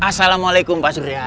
assalamualaikum pak suria